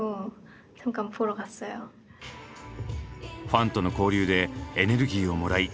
ファンとの交流でエネルギーをもらい